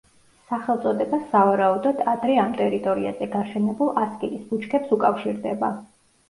სახელწოდება სავარაუდოდ ადრე ამ ტერიტორიაზე გაშენებულ ასკილის ბუჩქებს უკავშირდება.